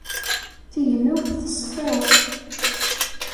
Tignewt teṣfa